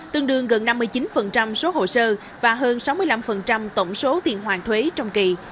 tương đương gần năm mươi chín số hồ sơ và hơn sáu mươi năm tổng số tiền hoàn thuế trong kỳ